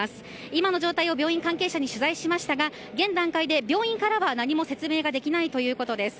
今の状態を病院関係者に取材しましたが現段階で病院からは何も説明できないということです。